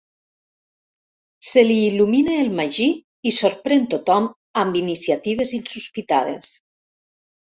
Se li il·lumina el magí i sorprèn tothom amb iniciatives insospitades.